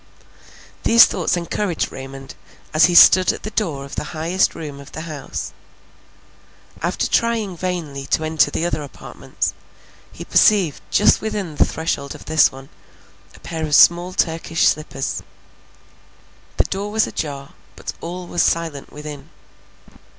These thoughts encouraged Raymond, as he stood at the door of the highest room of the house. After trying vainly to enter the other apartments, he perceived just within the threshold of this one, a pair of small Turkish slippers; the door was ajar, but all was silent within.